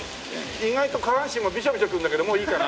意外と下半身もビショビショくるんだけどもういいかな？